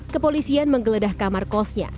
kepolisian menggeledah kamar kosnya